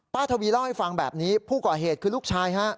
ทวีเล่าให้ฟังแบบนี้ผู้ก่อเหตุคือลูกชายฮะ